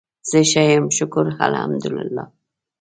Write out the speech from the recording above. زه ښه یم شکر الحمدالله